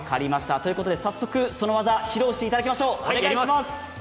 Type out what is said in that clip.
ということで早速その技を披露してもらいましょう！